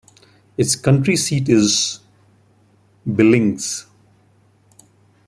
Its county seat is Billings.